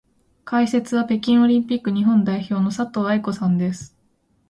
解説は北京オリンピック日本代表の佐藤愛子さんです。